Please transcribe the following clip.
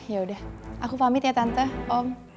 yaudah aku pamit ya tante om